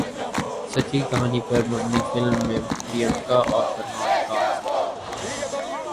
سچی کہانی پر مبنی فلم میں پریانکا اور فرحان کاسٹ